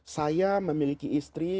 saya memiliki istri